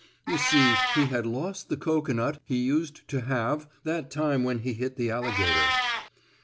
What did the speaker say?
You see he had lost the cocoanut he used to have that time when it hit the alligator.